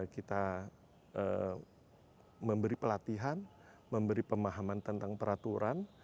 kita memberi pelatihan memberi pemahaman tentang peraturan